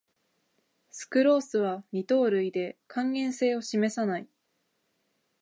スクロースは二糖類で還元性を示さない